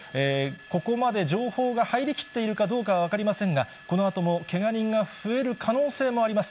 ここまで情報が入りきっているかどうかは分かりませんが、このあともけが人が増える可能性もあります。